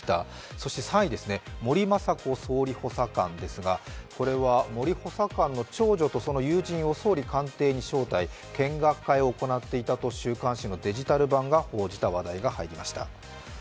そして３位、森まさこ総理補佐官ですがこれは森補佐官の長女とその友人を総理官邸に招待、見学会を行っていたと週刊紙のデジタル版が報じた話題が入りました。